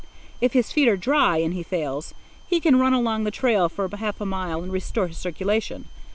If his feet are dry, and he fails, he can run along the trail for half a mile and restore his circulation.